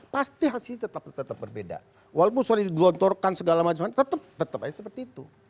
pasti hasilnya tetap tetap berbeda walaupun sudah digelontorkan segala macam mana tetap tetap aja seperti itu